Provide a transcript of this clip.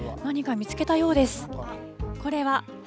何か見つけたようです。